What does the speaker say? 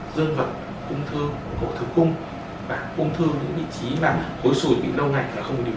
dương vật ung thư ổn hộ thử cung và ung thư những vị trí mà khối xùi bị lâu ngày là không được điều